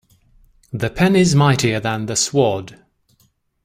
The pen is mightier than the sword.